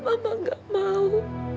mama gak mau